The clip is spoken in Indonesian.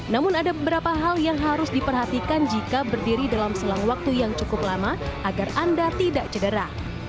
namun ada beberapa hal yang harus diperhatikan jika berdiri dalam selang waktu yang cukup lama agar anda tidak cedera